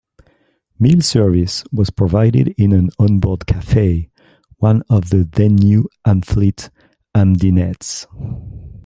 Meal service was provided in an on-board cafe, one of the then-new Amfleet Am-dinettes.